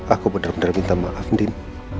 aku benar benar minta maaf dim